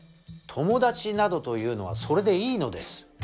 友達などというのはそれでいいのです。